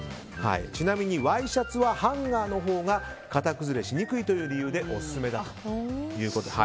ちなみにワイシャツはハンガーのほうが型崩れしにくいという理由でオススメだということです。